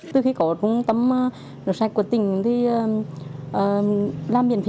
từ khi có trung tâm nước sạch của tỉnh thì làm miễn phí